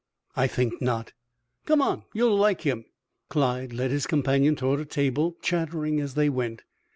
"I think not." "Come on, you'll like him." Clyde led his companion toward a table, chattering as they went.